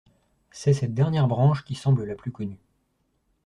C'est cette dernière branche qui semble la plus connue.